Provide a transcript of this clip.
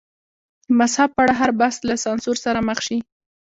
د مذهب په اړه هر بحث له سانسور سره مخ شي.